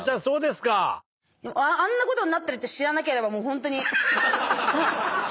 そうですか？あんなことになってるって知らなければもうホントに。